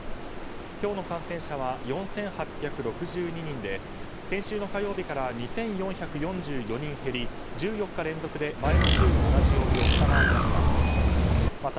今日の感染者は４８６２人で先週の火曜日から２４４２人減り１４日連続で前の週の同じ曜日を下回りました。